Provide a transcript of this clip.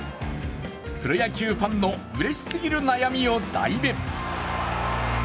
プロ野球ファンのうれしすぎる悩みを代弁。